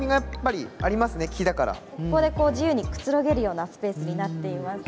ここで自由にくつろげるようなスペースになっています。